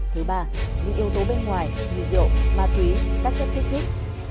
thứ ba những yếu tố bên ngoài như rượu ma túy các chất kích thích